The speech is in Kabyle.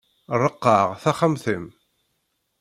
Ṛeqqeɛ taxxamt-im!